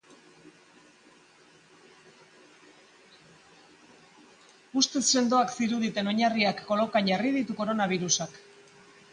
Ustez sendoak ziruditen oinarriak kolokan jarri ditu koronabirusak.